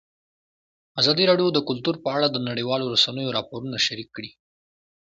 ازادي راډیو د کلتور په اړه د نړیوالو رسنیو راپورونه شریک کړي.